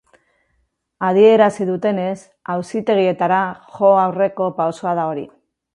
Adierazi dutenez, auzitegietara jo aurreko pausoa da hori.